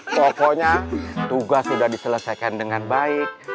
pokoknya tugas sudah diselesaikan dengan baik